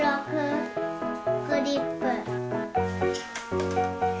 クリップ。